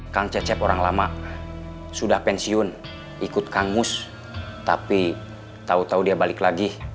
kang cecep orang lama sudah pensiun ikut kangmus tapi tau tau dia balik lagi